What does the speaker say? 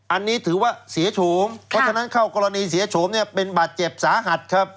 อันนี้ถือว่าเสียโฉมเพราะฉะนั้นเข้ากรณีเสียโฉมเนี่ยเป็นบาดเจ็บสาหัสครับ